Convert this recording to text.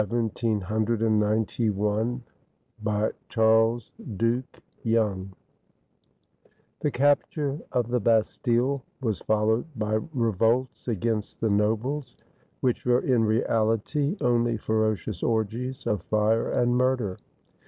THE FLIGHT OF LOUIS XVI BY CHARLES DUKE YONGE [The capture of the Bastille was followed by revolts against the nobles, which were in reality only ferocious orgies of fire and murder.